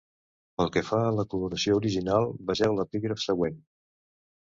Pel que fa a la coloració original, vegeu l'epígraf següent.